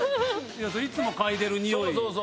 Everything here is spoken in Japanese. いつも嗅いでる匂い。